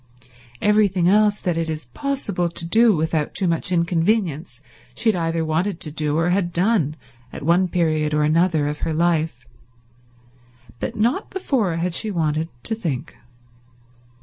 Everything else that it is possible to do without too much inconvenience she had either wanted to do or had done at one period or another of her life, but not before had she wanted to think.